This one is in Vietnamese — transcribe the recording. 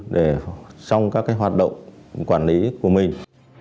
để xong các hoạt động quản lý của mình